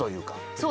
そう。